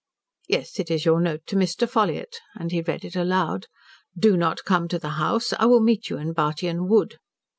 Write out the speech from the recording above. "'Yes, it is your note to Mr. Ffolliott,' and he read it aloud. "Do not come to the house. I will meet you in Bartyon Wood."